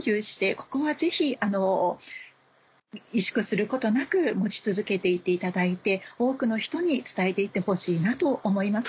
ここはぜひ萎縮することなく持ち続けて行っていただいて多くの人に伝えて行ってほしいなと思います。